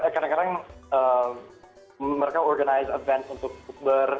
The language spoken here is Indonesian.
kadang kadang mereka organisasi acara untuk ber